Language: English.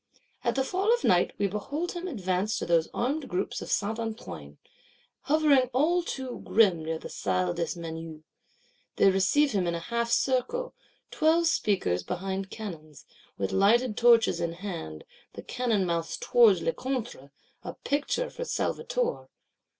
At the fall of night, we behold him advance to those armed groups of Saint Antoine, hovering all too grim near the Salle des Menus. They receive him in a half circle; twelve speakers behind cannons, with lighted torches in hand, the cannon mouths towards Lecointre: a picture for Salvator!